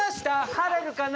「晴れるかな」